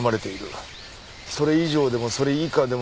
それ以上でもそれ以下でもない。